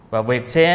và việc xé